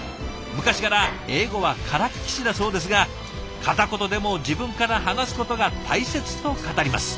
昔から英語はからっきしだそうですが片言でも自分から話すことが大切と語ります。